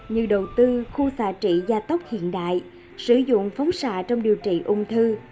như đầu tư khu xà trị gia tốc hiện đại sử dụng phóng xạ trong điều trị ung thư